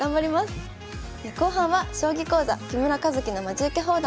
後半は将棋講座「木村一基のまじウケ放談」。